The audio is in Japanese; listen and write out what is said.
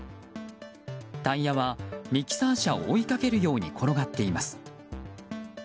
タイヤはミキサー車を追いかけるように転がっています。